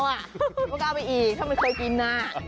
มันก็เอาไปอีกเพราะมันเคยกิน